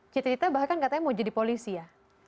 cita cita bahkan katanya mau jadi polisi ya